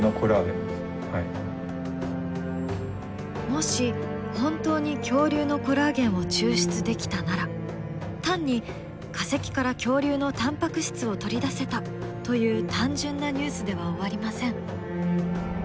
もし本当に恐竜のコラーゲンを抽出できたなら単に化石から恐竜のタンパク質を取り出せた！という単純なニュースでは終わりません。